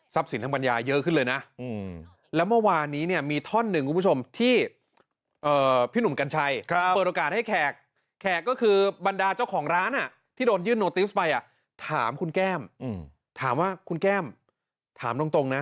ทรัพย์สิทธิ์ทางปัญญาเยอะขึ้นเลยนะ